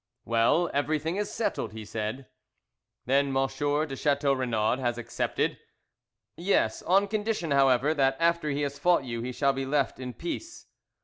"Well, everything is settled," he said. "Then M. de Chateau Renaud has accepted?" "Yes, on condition, however, that after he has fought you he shall be left in peace."